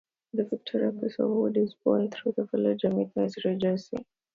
The victorious piece of wood is borne through the village amid noisy rejoicings.